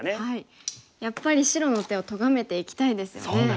やっぱり白の手をとがめていきたいですよね。